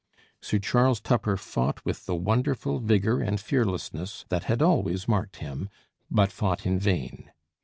Sir Charles Tupper fought with the wonderful vigour and fearlessness that had always marked him, but fought in vain.